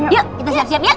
yuk kita siap siap ya